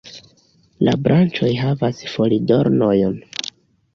La branĉoj havas folidornojn.